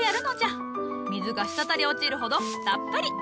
水が滴り落ちるほどたっぷり。